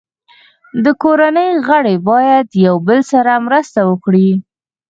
د کورنۍ غړي باید یو بل سره مرسته وکړي.